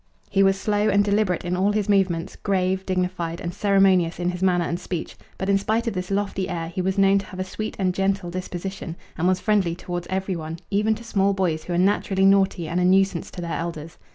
He was slow and deliberate in all his movements, grave, dignified, and ceremonious in his manner and speech; but in spite of this lofty air he was known to have a sweet and gentle disposition and was friendly towards every one, even to small boys who are naturally naughty and a nuisance to their elders.